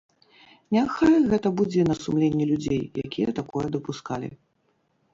Няхай гэта будзе на сумленні людзей, якія такое дапускалі.